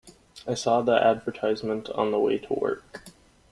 I saw the advertisement on the way to work.